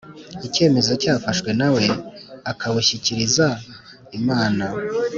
icyemezo cyafashwe nawe akabushyikiriza Inama